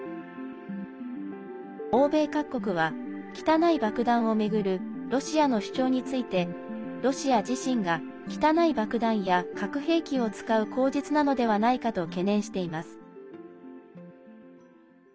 欧米各国は汚い爆弾を巡るロシアの主張についてロシア自身が汚い爆弾や核兵器を使う口実なのではないかと懸念しています。